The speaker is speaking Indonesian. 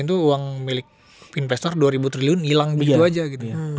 itu uang milik investor dua ribu triliun hilang gitu aja gitu